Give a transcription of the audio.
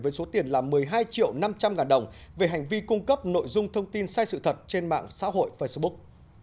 với số tiền là một mươi hai triệu năm trăm linh ngàn đồng về hành vi cung cấp nội dung thông tin sai sự thật trên mạng xã hội facebook